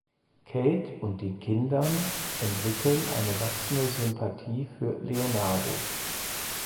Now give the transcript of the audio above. Kate und die Kindern entwickeln eine wachsende Sympathie für Leonardo.